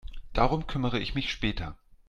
Darum kümmere ich mich später.